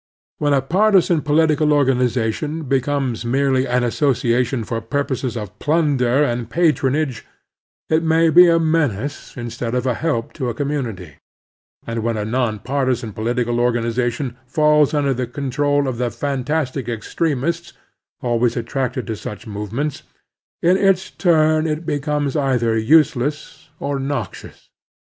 When a partisan political organization becomes merely an association for purposes of plunder and patronage, it may be a menace in stead of a help to a community ; and when a non partisan political organization falls under the control of the fantastic extremists always at tracted to such movements, in its turn it becomes either useless or noxious.